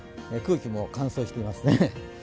空気も乾燥していますね。